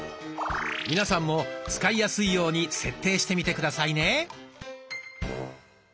皆さんも使いやすいように設定してみて下さいね。